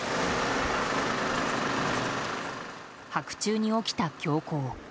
白昼に起きた凶行。